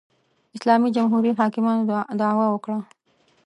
اسلامي جمهوري حاکمانو دعوا وکړه